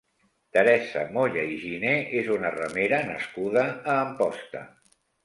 Teresa Moya i Giné és una remera nascuda a Amposta.